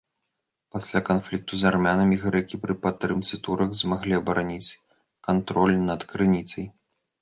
Пасля канфлікту з армянамі, грэкі пры падтрымцы турак змаглі абараніць кантроль над крыніцай.